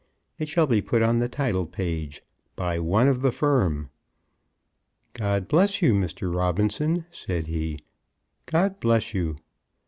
It shall be put on the title page 'By One of the Firm.'" "God bless you, Mr. Robinson," said he; "God bless you."